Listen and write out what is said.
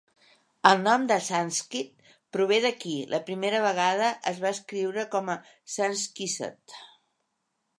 El nom de Sunkist prové d'aquí, la primera vegada es va escriure com a "Sunkissed.